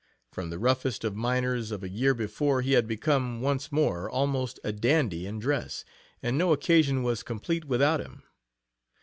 From the roughest of miners of a year before he had become, once more, almost a dandy in dress, and no occasion was complete without him.